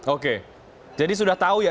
oke jadi sudah tahu ya